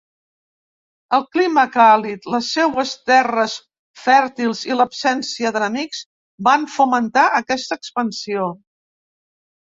El clima càlid, les seues terres fèrtils i l'absència d'enemics van fomentar aquesta expansió.